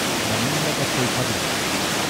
Venim de Castellfabib.